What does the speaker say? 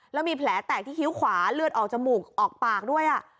แล้วมีแผลแตกที่คิ้วขวาเลือดออกจมูกออกปากด้วย